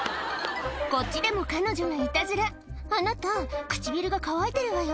こっちでも彼女がいたずら「あなた唇が乾いてるわよ」